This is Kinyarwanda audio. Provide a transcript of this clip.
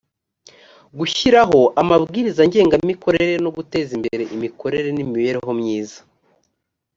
gushyiraho amabwiriza ngengamikorere no guteza imbere imikorere n imibereho myiza